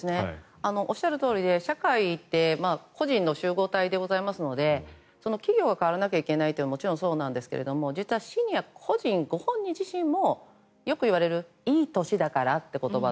おっしゃるとおりで社会って個人の集合体でございますので企業が変わらなきゃいけないというのももちろんそうなんですがシニア自身、ご本人自身もよく言われるいい歳だからって言葉